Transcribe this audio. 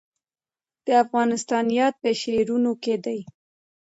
د افغانستان یاد په شعرونو کې دی